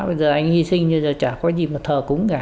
bây giờ anh hy sinh chả có gì mà thờ cúng cả